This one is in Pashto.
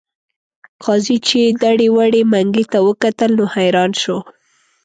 قاضي چې دړې وړې منګي ته وکتل نو حیران شو.